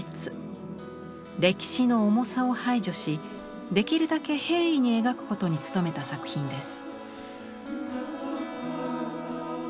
歴史の重さを排除しできるだけ平易に描くことに努めた作品です。